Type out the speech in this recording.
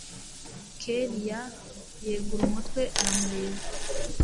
kellia yegura umutwe aramureba